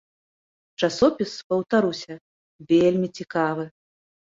Часопіс, паўтаруся, вельмі цікавы.